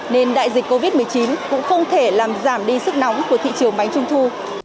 nên đại dịch covid một mươi chín cũng không thể làm giảm đi sức nóng của thị trường bánh trung thu